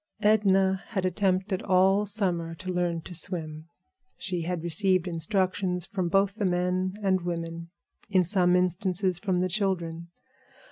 Edna had attempted all summer to learn to swim. She had received instructions from both the men and women; in some instances from the children.